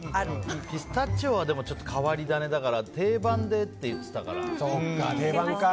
ピスタチオは変わり種だから定番でって言っていたから。